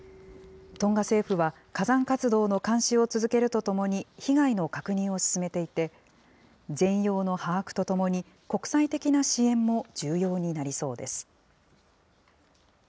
トンガ政府は、火山活動の監視を続けるとともに、被害の確認を進めていて、全容の把握とともに、国際的な支援も重要になりそうです。